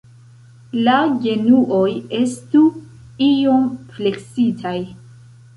La genuoj estu iom fleksitaj.